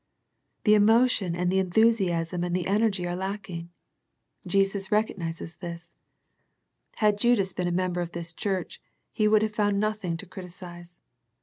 The emotion and the enthusiasm and the energy are lacking. Jesus recognizes this. Had Judas been a member of this church, he would have found nothing to criti cize.